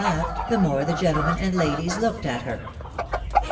301 laughed, the more the gentlemen and ladies looked at her.